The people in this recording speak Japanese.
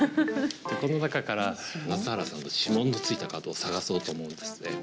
この中から夏原さんの指紋のついたカードを探そうと思うんですね。